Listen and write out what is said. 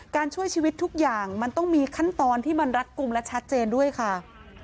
ช่วยชีวิตทุกอย่างมันต้องมีขั้นตอนที่มันรัดกลุ่มและชัดเจนด้วยค่ะ